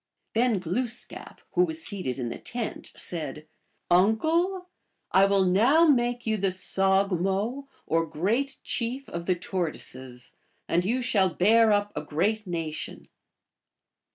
Then Glooskap, who was seated in the tent, said, GLOOSKAP THE DIVINITY. 55 " Uncle, I will now make you the sogmo, or great chief of the Tortoises, and you shall bear up a great nation."